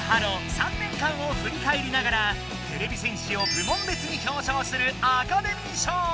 ３年間をふりかえりながらてれび戦士を部門別に表彰するアカデミー賞！